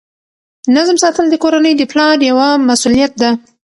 نظم ساتل د کورنۍ د پلار یوه مسؤلیت ده.